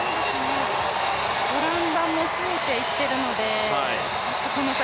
オランダもついていっているので、この先